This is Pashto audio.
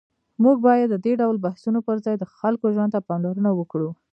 موږ باید د دې ډول بحثونو پر ځای د خلکو ژوند ته پاملرنه وکړو.